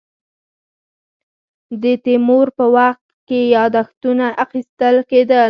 د تیمور په وخت کې یاداښتونه اخیستل کېدل.